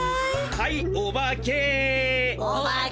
はいおばけ。